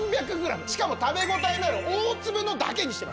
しかも食べ応えのある大粒のだけにしてます。